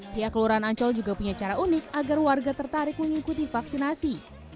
pihak kelurahan ancol juga punya cara unik agar warga tertarik mengikuti vaksinasi